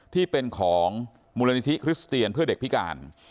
ที่เป็นของมูลนิธิคริสเตียนเพื่อเด็กพิการ